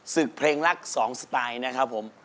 ศึกเพลงลักษณ์สองสไตล์นะครับผม